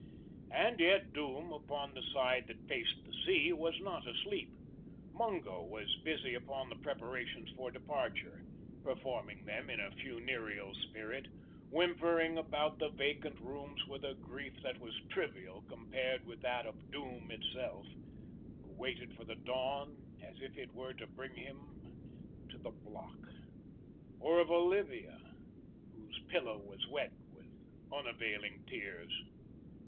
And yet Doom, upon the side that faced the sea, was not asleep. Mungo was busy upon the preparations for departure, performing them in a funereal spirit, whimpering about the vacant rooms with a grief that was trivial compared with that of Doom itself, who waited for the dawn as if it were to bring him to the block, or of Olivia, whose pillow was wet with unavailing tears.